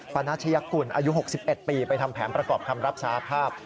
ปนัชยกุลอายุ๖๑ปีไปทำแผนประกอบคำรับสาภาพ